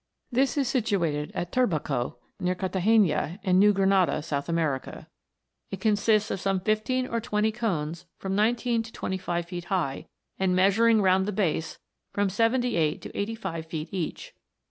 This is situated at Turbaco, near Carthagena, in New Grenada, South America. It consists of some fifteen or twenty cones from nineteen to twenty five feet high, and measur ing round the base from seventy eight to eighty five feet each.